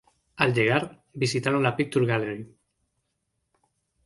Al llegar, visitaron la Picture Gallery.